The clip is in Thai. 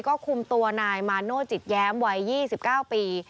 ก็คุมตัวนายมาโน่จิตแย้มวัย๒๙ปี